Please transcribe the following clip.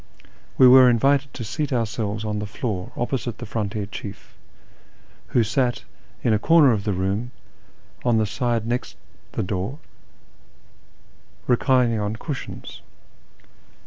We were invited to seat our selves on the floor opposite the frontier chief, who sat in a corner of the room, on the side next the door, reclining on 48 A YEAR AMONGST THE PERSIANS cushions.